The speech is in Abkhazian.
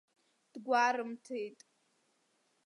Дгәарымҭеит.